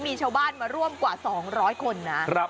มีชาวบ้านมาร่วมกว่า๒๐๐คนนะ